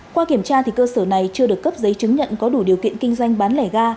qua kiểm tra cơ sở này chưa được cấp giấy chứng nhận có đủ điều kiện kinh doanh bán lẻ ga